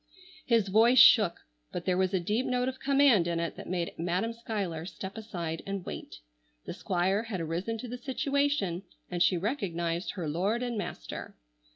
His voice shook, but there was a deep note of command in it that made Madam Schuyler step aside and wait. The Squire had arisen to the situation, and she recognized her lord and master.